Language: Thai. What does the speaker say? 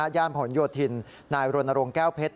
ย่านผลโยธินนายรณรงค์แก้วเพชร